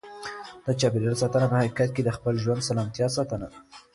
د چاپیریال ساتنه په حقیقت کې د خپل ژوند د سلامتیا ساتنه ده.